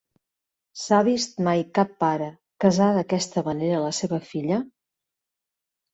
S'ha vist mai cap pare casar d'aquesta manera la seva filla?